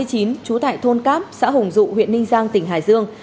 trú tại thôn cáp xã hùng dụ huyện ninh giang tỉnh hải dương